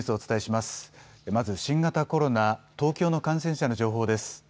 まず、新型コロナ、東京の感染者の情報です。